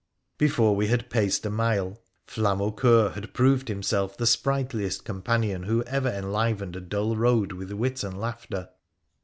Before we bad paced a mile, Flamaucceur had proved him self tbe sprightliest companion who ever enlivened a dull road with wit and laughter.